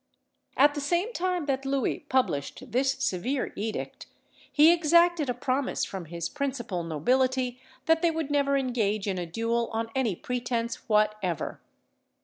At the same time that Louis published this severe edict, he exacted a promise from his principal nobility that they would never engage in a duel on any pretence whatever.